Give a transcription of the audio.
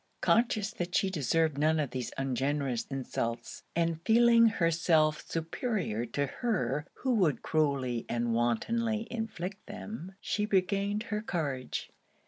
Conscious that she deserved none of these ungenerous insults, and feeling herself superior to her who could cruelly and wantonly inflict them, she regained her courage.